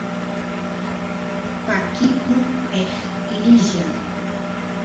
pakikun eqlilla